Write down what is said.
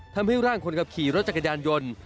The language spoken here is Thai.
ทำให้ร่างคนขับขี่รถจักรยานยนต์